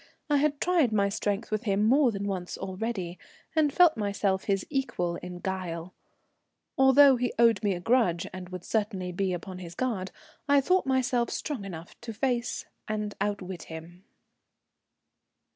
I had tried my strength with him more than once already, and felt myself his equal in guile. Although he owed me a grudge and would certainly be upon his guard, I thought myself strong enough to face and outwit him.